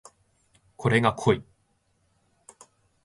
これが濃い